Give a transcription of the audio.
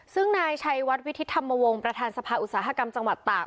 ซึ่งนายชัยวัดวิทิศธรรมวงศ์ประธานสภาอุตสาหกรรมจังหวัดตาก